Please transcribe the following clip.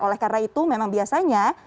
oleh karena itu memang biasanya